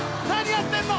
やってんの？